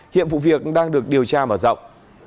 hiện vụ việc đang được điều tra mở rộng